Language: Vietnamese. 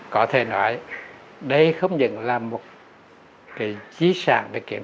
có thể nói đây không những là một cái dí sản về kiến trúc mà nó còn làm dí sản về văn chương